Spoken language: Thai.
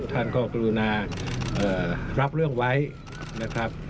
ท่านก็กรุณารับเรื่องไว้นะครับ